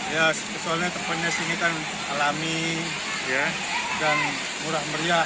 ya soalnya tempatnya sini kan alami dan murah meriah